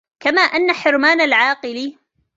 كَمَا أَنَّ حِرْمَانَ الْعَاقِلِ